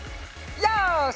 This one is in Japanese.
よし！